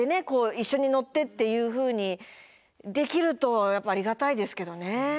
一緒に乗ってっていうふうにできるとありがたいですけどね。